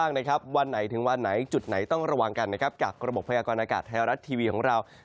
อ๋ออันนี้เตือนใครหรือเปล่า